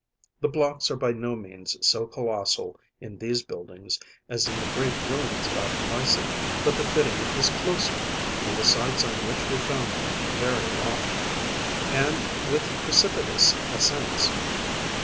The blocks are by no means so colossal in these buildings as in the great ruins about Mycenæ; but the fitting is closer, and the sites on which we find them very lofty, and with precipitous ascents.